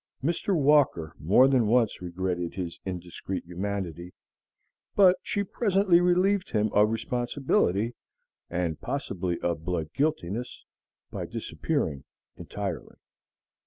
Mr. Walker more than once regretted his indiscreet humanity; but she presently relieved him of responsibility, and possibly of bloodguiltiness, by disappearing entirely.